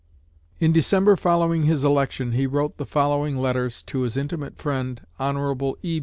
In December following his election he wrote the following letters to his intimate friend, Hon. E.